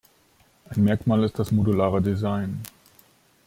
Ein Merkmal ist das modulare Design.